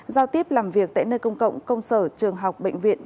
giao tiếp làm việc tại nơi công cộng công sở trường học bệnh viện